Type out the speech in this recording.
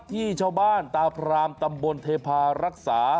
ที่ชาวบ้านตาพรามตำบลเทพารักษา